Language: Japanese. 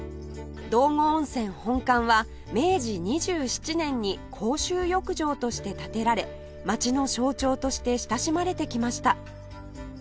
道後温泉本館は明治２７年に公衆浴場として建てられ街の象徴として親しまれてきました